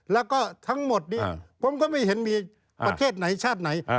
แล้วก็ทั้งหมดนี้ผมก็ไม่เห็นมีประเทศไหนชาติไหน